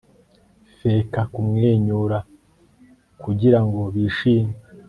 feka kumwenyura kugirango bishime